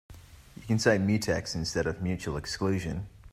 You can say mutex instead of mutual exclusion.